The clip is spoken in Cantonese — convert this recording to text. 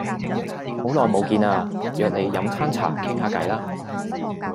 好耐冇見喇約你飲餐茶傾下計啦